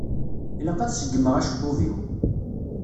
Ilaq ad segmeγ acebbub-iw.